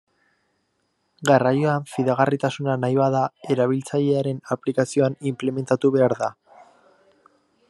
Garraioan fidagarritasuna nahi bada, erabiltzailearen aplikazioan inplementatu behar da.